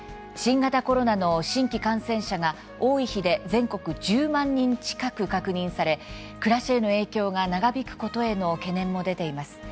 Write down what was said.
新型コロナの新規感染者が多い日で全国１０万人近く確認され暮らしへの影響が長引くことへの懸念も出ています。